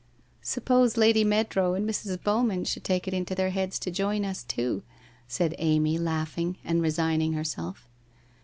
' Suppose Lady Meadrow and Mrs. Bowman should take it into their heads to join us, too ?' said Amy laugh ing, and resigning herself.